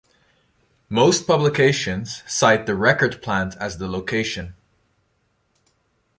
Most publications cite the Record Plant as the location.